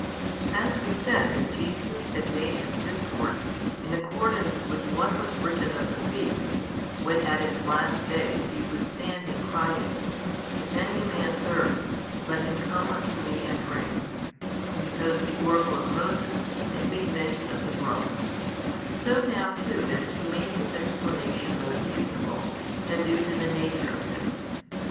As we said that Jesus had made His Discourse in accordance with what was written of the feast, when at its last day He was standing crying, If any man thirst, let him come unto Me and drink, because the oracle of Moses had made mention of the brook: so now too does He make His explanation most seasonable, and due to the nature of things.